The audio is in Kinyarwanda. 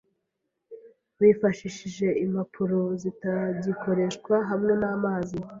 bifashishije impapuro zitagikoreshwa hamwe n’amazi